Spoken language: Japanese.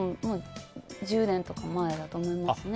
１０年とか前だと思いますね。